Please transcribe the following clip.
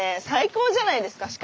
最高じゃないですか。